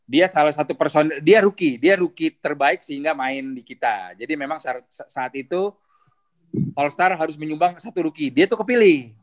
dia salah satu person dia rookie dia rookie terbaik sehingga main di kita jadi memang saat itu all star harus menyumbang satu rookie dia tuh kepilih